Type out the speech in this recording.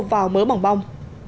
vào mớ bỏng bong